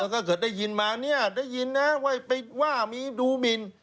ถ้าเกิดได้ยินมาเนี่ยได้ยินนะว่าไปว่ามีดูหมิน